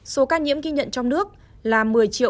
số ca nhiễm ghi nhận trong nước